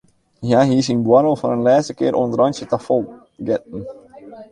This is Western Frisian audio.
Hja hie syn buorrel foar in lêste kear oan it rântsje ta fol getten.